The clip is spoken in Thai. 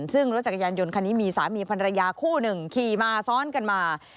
ซึ่งรถจักรยานยนต์คันนี้มีสามีภรรยาคู่หนึ่งขี่มาซ้อนกันมา